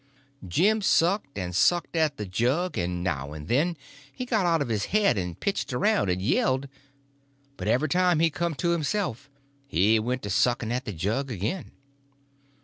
Jim sucked and sucked at the jug, and now and then he got out of his head and pitched around and yelled; but every time he come to himself he went to sucking at the jug again.